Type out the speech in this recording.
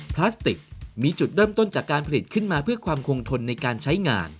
พลาสติกมีจุดเริ่มต้นจากการผลิตขึ้นมาเพื่อความคงทนในการใช้งาน